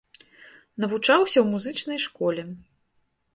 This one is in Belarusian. Навучаўся ў музычнай школе.